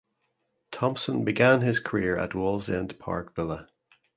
Thompson began his career at Wallsend Park Villa.